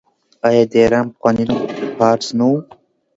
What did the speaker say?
آیا د ایران پخوانی نوم فارس نه و؟